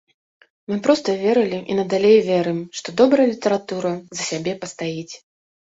Мы проста верылі і надалей верым, што добрая літаратура за сябе пастаіць.